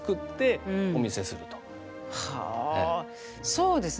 そうですね。